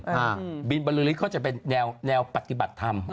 บินบริษฐ์เขาจะเป็นแนวแนวปฏิบัติธรรม